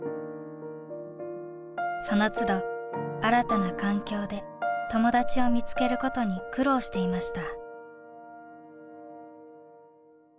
そのつど新たな環境で友達を見つけることに苦労していました。